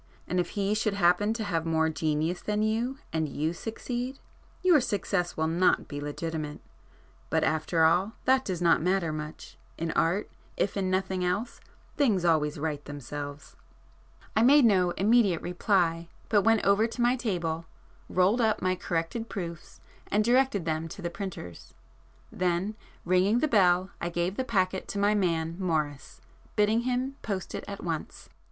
And if he should happen to have more genius than you, and you succeed, your success will not be legitimate. But after all, that does not matter much—in Art, if in nothing else, things always right themselves." I made no immediate reply, but went over to my table, rolled up my corrected proofs and directed them to the printers,—then ringing the bell I gave the packet to my man, Morris, bidding him post it at once.